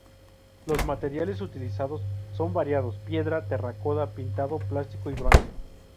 Los materiales utilizados son variados: piedra, terracota, pintado, plástico y bronce.